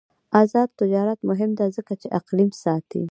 آزاد تجارت مهم دی ځکه چې اقلیم ساتي.